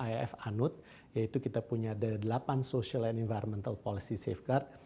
yaitu yang saya anut yaitu kita punya ada delapan social and environmental policy safeguard